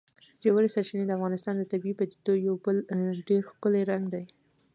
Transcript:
ژورې سرچینې د افغانستان د طبیعي پدیدو یو بل ډېر ښکلی رنګ دی.